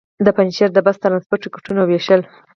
د پنجشېر د بس ټرانسپورټ ټکټونه وېشل.